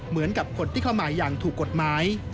เหมือนกับคนที่เข้ามาอย่างถูกกฎหมาย